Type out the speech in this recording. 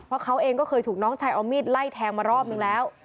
เพราะเขาเองก็เคยถูกน้องชายเอามีดไล่แทงมารอบนึงแล้ว